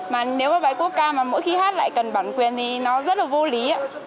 mà nếu có bài quốc ca mà mỗi khi hát lại cần bản quyền thì nó rất là vô lý